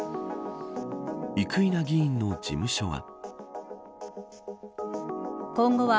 生稲議員の事務所は。